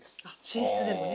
寝室でもね。